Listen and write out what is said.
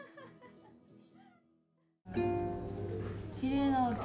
・きれいな音。